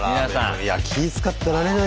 いや気ぃ遣ってられないよ